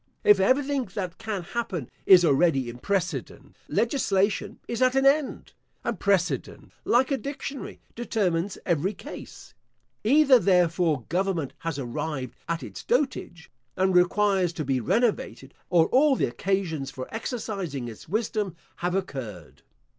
If everything that can happen is already in precedent, legislation is at an end, and precedent, like a dictionary, determines every case. Either, therefore, government has arrived at its dotage, and requires to be renovated, or all the occasions for exercising its wisdom have occurred.